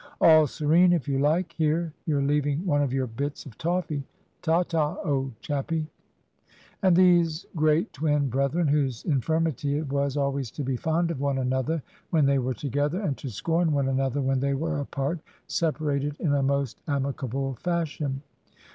"All serene, if you like. Here, you're leaving one of your bits of toffee. Ta, ta, old chappie." And these great twin brethren, whose infirmity it was always to be fond of one another when they were together, and to scorn one another when they were apart, separated in a most amicable fashion.